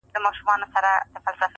د غرو لمنو کي اغزیو پیرې وکرلې؛